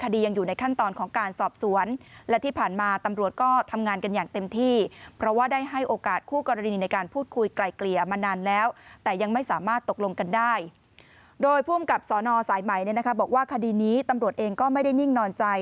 โดยผู้อำกับสนสายไหมบอกว่าคดีนี้ตำรวจเองก็ไม่ได้นิ่งนอนใจ